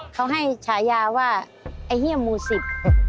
เขาให้ฉายาว่าไอ้เฮียมหมู่สิบ